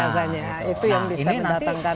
nah itu yang bisa didatangkan